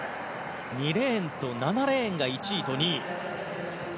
２レーンと７レーンが１位と２位。